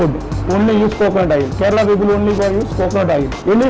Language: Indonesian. ini adalah makanan kerala